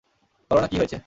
বল না কী হয়েছে?